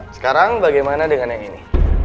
sekarang bagaimana dengan yang ini